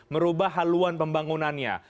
merubah haluan pembangunannya